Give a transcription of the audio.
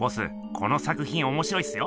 この作品おもしろいっすよ。